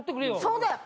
そうだよ。